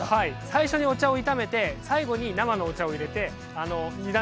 最初にお茶を炒めて最後に生のお茶を入れて。